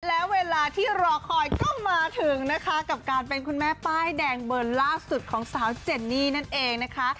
และเวลาที่รอคอยก็มาถึงนะคะกับการเป็นคุณแม่ป้ายแดงเบอร์ล่าสุดของสาวเจนนี่นั่นเองนะคะ